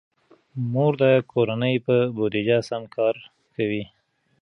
مور د کورنۍ په بودیجه سم کار کوي.